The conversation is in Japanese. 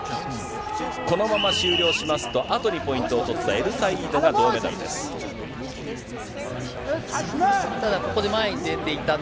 このまま終了しますと、あとにポイントを取ったエルサイードが銅メダルです。